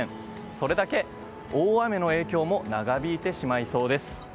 それだけ大雨の影響も長引いてしまいそうです。